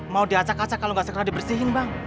mau diacak acak kalau nggak segera dibersihin bang